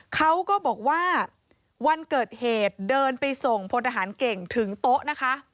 เขาก็บอกว่าวันเกิดเหตุเดินไปส่งพลทหารเก่งถึงโต๊ะนะคะ